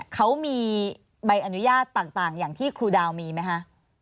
เขามีใบอนุญาตต่างอย่างที่ครูดาวมีไหมคะ